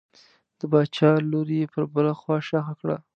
د باچا لور یې پر بله خوا ښخه کړه.